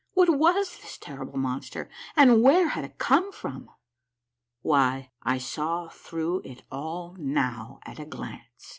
What was this terrible monster, and where had it come from ? Why, I saw through it all now at a glance.